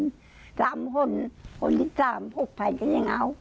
คนที่สามหกพันก็ยังเอาอ่าคนที่สองหมื่นแปดคนที่สิบสองหมื่น